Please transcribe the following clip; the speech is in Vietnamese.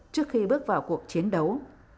trước khi bước vào cuộc chiến đấu